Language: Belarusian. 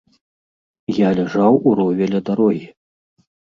Я ляжаў у рове ля дарогі.